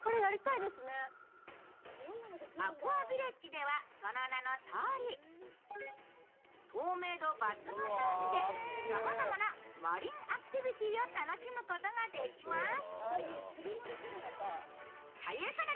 ＡＱＵＡＶＩＬＬＡＧＥでは、その名のとおり透明度抜群の海でさまざまなマリンアクティビティを楽しむことが出来ます。